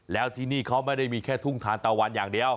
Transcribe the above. แล้วที่นี่เขาไม่ได้มีแค่ทุ่งทานตะวันอย่างเดียว